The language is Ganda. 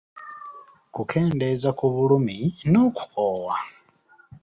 Kukendeeza ku bulumi n’okukoowa.